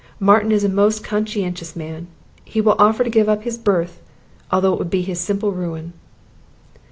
Martin is a most conscientious man. He will offer to give up his berth, although it would be his simple ruin."